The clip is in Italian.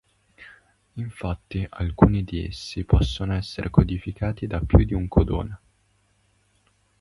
Infatti alcuni di essi possono essere codificati da più di un codone.